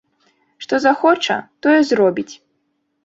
Што захоча, тое зробіць.